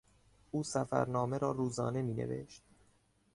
او سفرنامه را روزانه مینوشت.